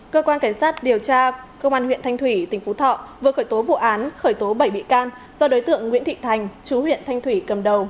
cơ quan cảnh sát điều tra công an huyện thanh thủy tỉnh phú thọ vừa khởi tố vụ án khởi tố bảy bị can do đối tượng nguyễn thị thành chú huyện thanh thủy cầm đầu